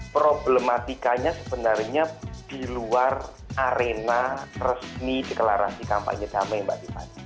problematikanya sebenarnya di luar arena resmi deklarasi kampanye damai mbak tiffany